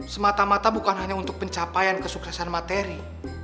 semata mata bukan hanya untuk pencapaian kesuksesan materi